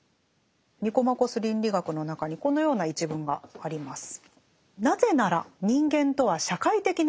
「ニコマコス倫理学」の中にこのような一文があります。